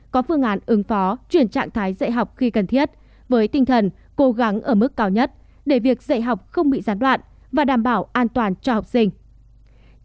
có phương án ứng phó chuyển trạng thái dạy học khi cần thiết với tinh thần cố gắng ở mức cao nhất để việc dạy học không bị gián đoạn và đảm bảo an toàn cho học sinh